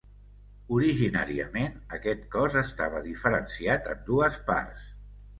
Originàriament aquest cos estava diferenciat en dues parts.